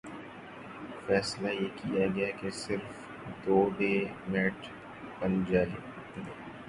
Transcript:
فیصلہ یہ کیا گیا کہہ صرف دو ڈے میٹھ بن ج گے